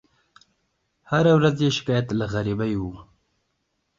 هره ورځ یې شکایت له غریبۍ وو